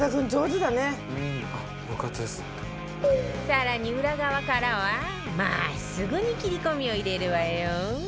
更に裏側からは真っすぐに切り込みを入れるわよ